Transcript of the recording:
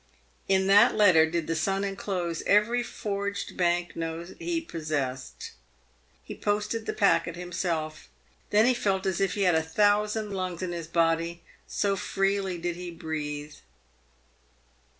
In that letter did the son enclose every forged bank note he possessed. He posted the packet himself. Then he felt as if he had a thousand lungs in his body, so freely did be breathe.